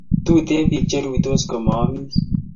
Tuten pik che rutos komayamis